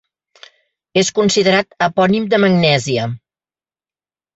És considerat epònim de Magnèsia.